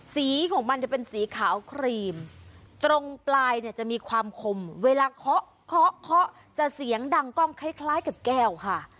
สีของมันจะเป็นสีขาวครีมตรงปลายเนี่ยจะมีความคมเวลาเคาะเคาะเคาะจะเสียงดังกล้องคล้ายกับแก้วค่ะ